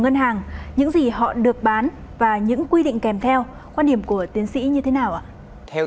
ngân hàng những gì họ được bán và những quy định kèm theo quan điểm của tiến sĩ như thế nào ạ